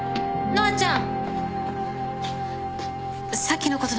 乃愛ちゃん！